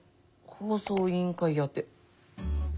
放送委員会宛て。